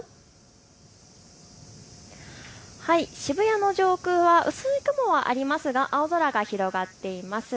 渋谷の上空は薄い雲はありますが青空が広がっています。